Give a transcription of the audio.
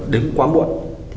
đến quá muộn